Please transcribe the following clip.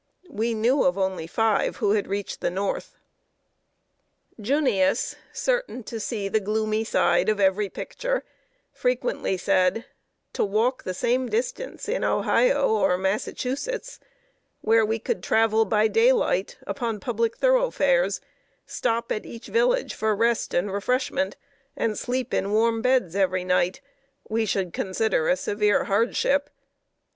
We knew of only five who had reached the North. [Sidenote: A FEARFUL JOURNEY IN PROSPECT.] "Junius," certain to see the gloomy side of every picture, frequently said: "To walk the same distance in Ohio or Massachusetts, where we could travel by daylight upon public thoroughfares, stop at each village for rest and refreshments, and sleep in warm beds every night, we should consider a severe hardship.